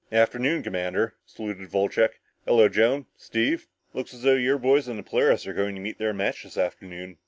"Afternoon, Commander," saluted Wolcheck. "Hello, Joan, Steve. Looks as though your boys on the Polaris are going to meet their match this afternoon.